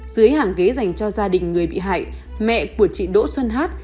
dưới hàng ghế dành cho gia đình người bị hại mẹ của chị đỗ xuân hát